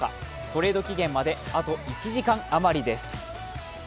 トレード期限まであと１時間あまりです。